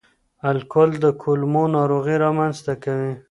الکول د کولمو ناروغي رامنځ ته کوي.